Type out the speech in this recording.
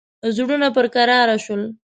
زړونه پر کراره شول.